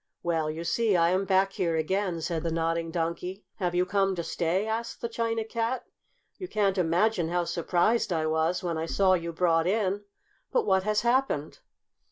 "Well, you see I am back here again," said the Nodding Donkey. "Have you come to stay?" asked the China Cat. "You can't imagine how surprised I was when I saw you brought in! But what has happened?"